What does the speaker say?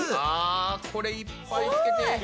あこれいっぱいつけて。